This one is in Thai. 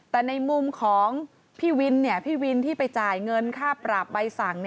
แต่ในมุมของพี่วินพี่วินที่ไปจ่ายเงินค่าปรับใบสั่ง